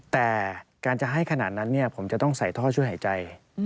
แต่การจะให้ขนาดนั้นผมจะต้องใส่ท่อช่วยหายใจ